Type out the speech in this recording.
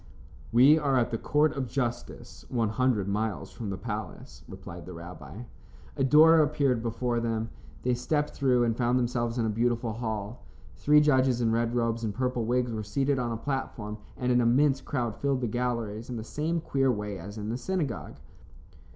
"We are at the Court of Justice, one hundred miles from the palace," replied the rabbi. A door appeared before them. They stepped through, and found themselves in a beautiful hall. Three judges in red robes and purple wigs were seated on a platform, and an immense crowd filled the galleries in the same queer way as in the synagogue.